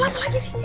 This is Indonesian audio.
kenapa lagi sini